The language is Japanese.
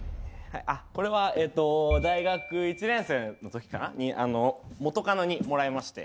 これはえっと大学１先生の時かな元カノに貰いまして。